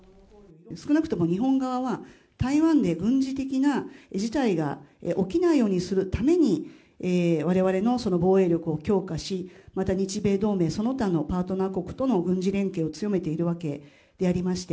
少なくとも日本側は、台湾で軍事的な事態が起きないようにするために、われわれの防衛力を強化し、また日米同盟、その他のパートナー国との軍事連携を強めているわけでありまして。